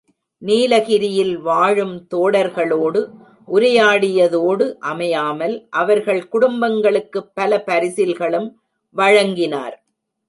நீலகிரியில் வாழும் தோடர்களோடு உரையாடியதோடு அமையாமல், அவர்கள் குடும்பங்களுக்குப் பல பரிசில்களும் வழங்கினார்.